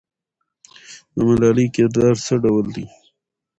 د ملالۍ کردار څه ډول دی؟